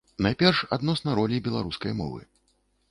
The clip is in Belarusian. Найперш, адносна ролі беларускай мовы.